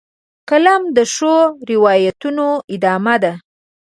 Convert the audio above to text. قلم د ښو روایتونو ادامه ده